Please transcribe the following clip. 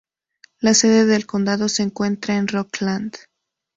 La sede del condado se encuentra en Rockland.